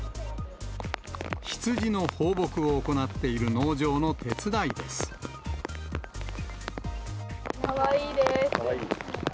羊の放牧を行っている農場の手伝かわいいです。